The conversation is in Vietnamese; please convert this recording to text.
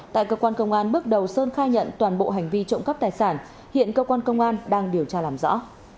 tại cơ quan công an bước đầu sơn khai nhận toàn bộ hành vi trộm cắp tài sản hiện cơ quan công an đang điều tra làm rõ